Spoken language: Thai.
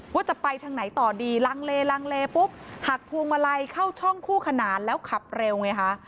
ว่าจะไปทางไหนต่อดีลังเลลังเลปุ๊บหักพวงมาลัยเข้าช่องคู่ขนานแล้วขับเร็วไงคะ